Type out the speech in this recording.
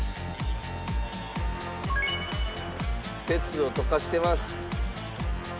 鉄を溶かしてます。